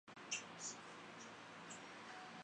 清朝及中华民国政治人物。